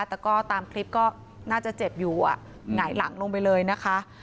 แต่ก็ตามคลิปก็น่าจะเจ็บอยู่หงายหลังลงไปเลยนะคะ